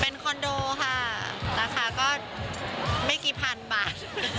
เป็นคอนโดค่ะราคาก็ไม่กี่พันบาท